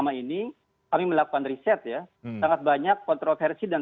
kemudian ya biaya juga memberikan perhatian kita harus berhati hati karena kemudian kemudian kemudian